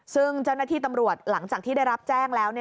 ซึ่งเจ้าหน้าที่ตำรวจหลังจากที่ได้รับแจ้งแล้ว